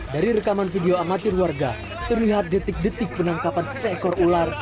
dari rekaman video amatir warga terlihat detik detik penangkapan seekor ular